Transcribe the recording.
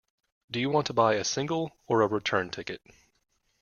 Do you want to buy a single or a return ticket?